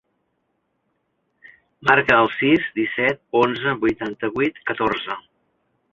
Marca el sis, disset, onze, vuitanta-vuit, catorze.